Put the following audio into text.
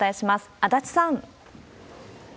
足立さん。